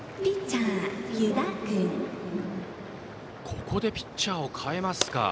ここでピッチャーを代えますか。